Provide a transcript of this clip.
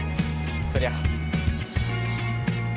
そりゃ。